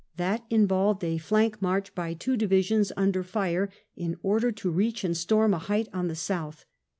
That involved a flank march by two divisions under fire, in order to reach and storm a height on the south.